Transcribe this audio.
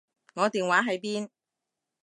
我電話喺邊？